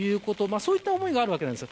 そういった思いがあるわけです。